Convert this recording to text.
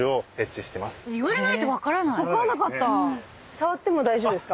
触っても大丈夫ですか？